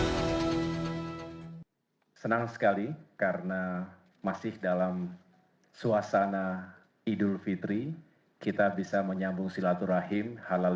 hai senang sekali karena masih dalam suasana idul fitri kita bisa menyambung silaturahim halal